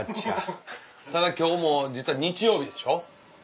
ただ今日も実は日曜日でしょ。